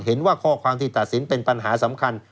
เห็นว่าข้อความที่ตัดสินเป็นปัญหาสำคัญ